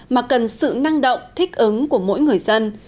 mà cần sự năng động thích ứng của mỗi người dân